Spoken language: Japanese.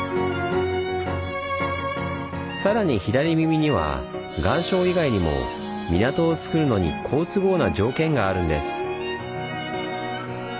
さらに「左耳」には岩礁以外にも港をつくるのに好都合な条件があるんです。